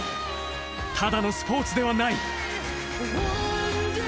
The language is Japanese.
ただのスポーツではない。